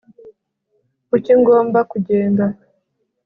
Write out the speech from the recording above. kuki ngomba kugenda